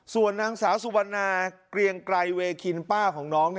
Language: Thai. ส่วนนางสาวสุวรรณาเกรียงไกรเวคินป้าของน้อง